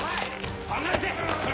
離れて！